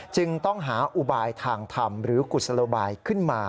จึงต้องหาอุบายทางธรรมหรือกุศโลบายขึ้นมา